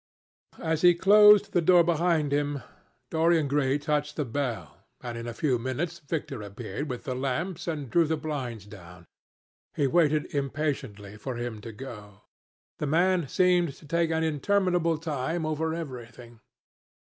As he closed the door behind him, Dorian Gray touched the bell, and in a few minutes Victor appeared with the lamps and drew the blinds down. He waited impatiently for him to go. The man seemed to take an interminable time over everything.